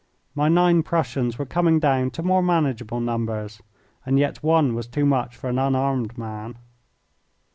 My nine Prussians were coming down to more manageable numbers, and yet one was too much for an unarmed man.